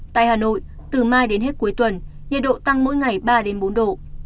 tại hà nội từ mai đến hết cuối tuần nhiệt độ tăng mỗi ngày ba đến bốn độ